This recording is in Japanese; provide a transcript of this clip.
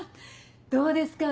どうですか？